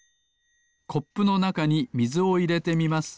コップのなかにみずをいれてみます。